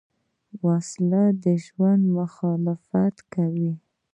وسله د ژوند مخالفت کوي